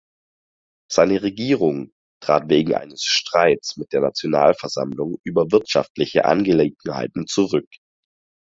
Seine Regierung trat wegen eines Streits mit der Nationalversammlung über wirtschaftliche Angelegenheiten zurück.